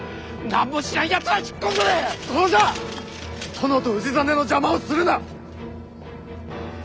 殿と氏真の邪魔をするな！